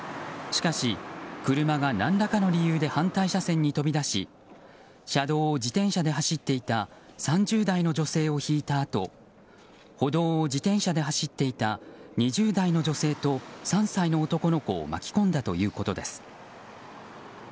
しかし、車が何らかの理由で反対車線に飛び出し車道を自転車で走っていた３０代の女性をひいたあと歩道を自転車で走っていた２０代の女性と３歳の男の子を巻き込んだということです。